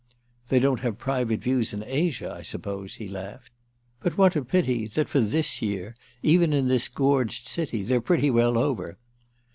"They don't have private views in Asia, I suppose," he laughed. "But what a pity that for this year, even in this gorged city, they're pretty well over."